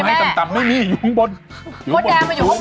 มดแดงมาหยุงข้อบน